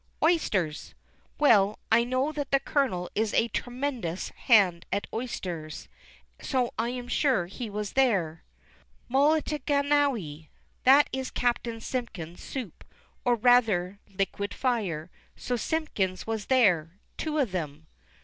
'Oysters.' Well, I know that the Colonel is a tremendous hand at oysters, so I am sure he was there. 'Mulligatawny.' That is Captain Simpkin's soup, or rather liquid fire, so Simpkins was there. Two of them.